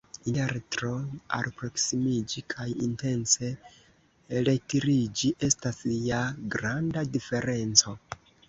Inter tro alproksimiĝi kaj intence retiriĝi estas ja granda diferenco!